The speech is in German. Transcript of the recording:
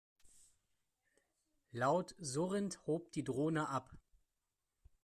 Laut surrend hob die Drohne ab.